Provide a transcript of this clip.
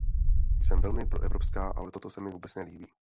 Jsem velmi proevropská, ale toto se mi vůbec nelíbí.